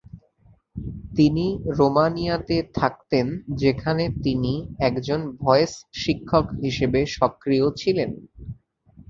তিনি রোমানিয়াতে থাকতেন যেখানে তিনি একজন ভয়েস শিক্ষক হিসেবে সক্রিয় ছিলেন।